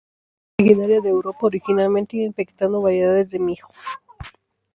Es originario de Europa, originalmente infectando variedades de mijo.